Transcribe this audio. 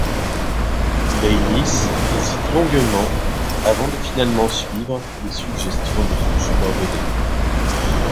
Baylis hésite longuement avant de finalement suivre les suggestions de son subordonné.